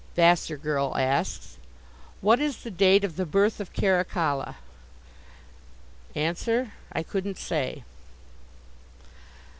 Vassar Girl asks: What is the date of the birth of Caracalla? Answer: I couldn't say.